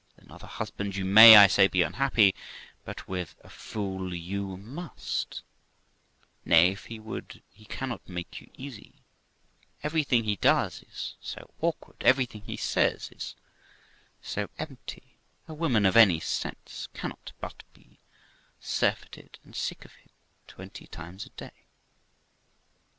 With some other hus bands you may, I say, be unhappy, but with a fool you must; nay, if he would, he cannot make you easy; everything he does is so awkward, everything he says is so empty, a woman of any sense cannot but be THE LIFE OF ROXANA 197 surfeited and sick of him twenty times a day.